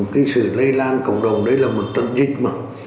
cái sự lây lan cộng đồng đấy là một trận dịch mà